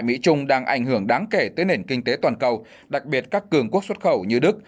mỹ trung đang ảnh hưởng đáng kể tới nền kinh tế toàn cầu đặc biệt các cường quốc xuất khẩu như đức